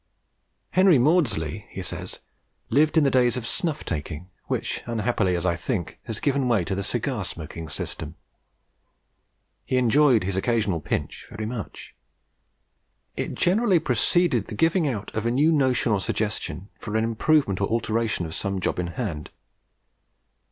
"Henry Maudslay," he says, "lived in the days of snuff taking, which unhappily, as I think, has given way to the cigar smoking system. He enjoyed his occasional pinch very much. It generally preceded the giving out of a new notion or suggestion for an improvement or alteration of some job in hand.